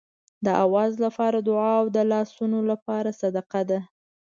د آواز لپاره دعا او د لاسونو لپاره صدقه ده.